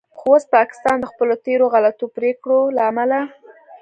خو اوس پاکستان د خپلو تیرو غلطو پریکړو له امله